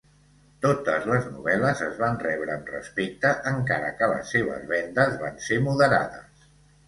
Totes les novel·les es van rebre amb respecte, encara que les seves vendes van ser moderades.